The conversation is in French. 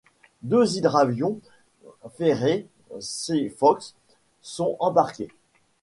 Deux hydravions Fairey Seafox sont embarqués.